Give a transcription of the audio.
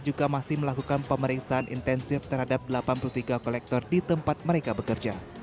juga masih melakukan pemeriksaan intensif terhadap delapan puluh tiga kolektor di tempat mereka bekerja